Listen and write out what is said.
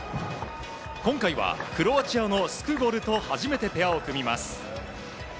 今回はクロアチアのスクゴルと初めてペアを組みます。